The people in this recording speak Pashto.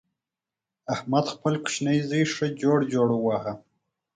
احمد خپل کوچنۍ زوی ښه جوړ جوړ وواهه.